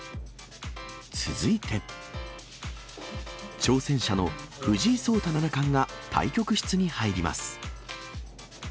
続いて、挑戦者の藤井聡太七冠が対局室に入ります。